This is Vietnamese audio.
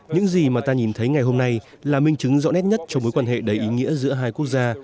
những gì mà ta nhìn thấy ngày hôm nay là minh chứng rõ nét nhất cho mối quan hệ đầy ý nghĩa giữa hai quốc gia